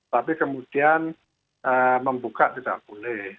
tapi kemudian membuka tidak boleh